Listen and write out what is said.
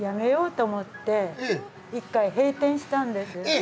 え！